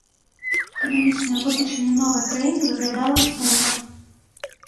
Эканамічная будучыня новай краіны выглядала сумна.